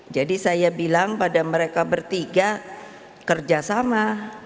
jadi saya bilang pada mereka bertiga kerjasama